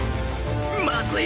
まずい！